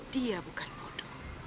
dia bukan bodoh